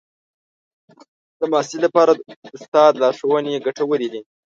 د محصل لپاره د استاد لارښوونې ګټورې دي.